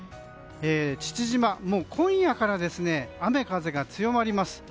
父島、もう今夜から雨風が強まります。